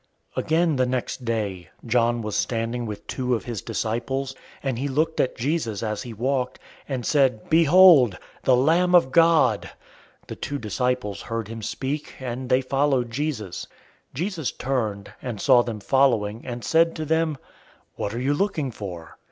001:035 Again, the next day, John was standing with two of his disciples, 001:036 and he looked at Jesus as he walked, and said, "Behold, the Lamb of God!" 001:037 The two disciples heard him speak, and they followed Jesus. 001:038 Jesus turned, and saw them following, and said to them, "What are you looking for?"